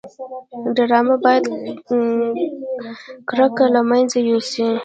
ډرامه باید کرکه له منځه یوسي